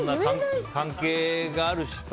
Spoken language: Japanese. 関係があるしさ。